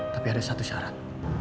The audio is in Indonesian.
tapi ada satu syarat